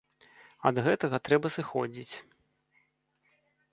Ад гэтага трэба сыходзіць.